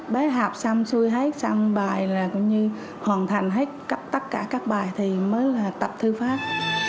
bá học xong xui hết xong bài là cũng như hoàn thành hết tất cả các bài thì mới là tập thư pháp